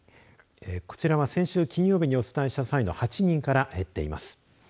こちらは先週金曜日にお伝えした際の８人から減っています。